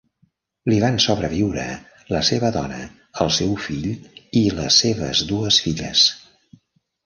Li van sobreviure la seva dona, el seu fill i les seves dues filles.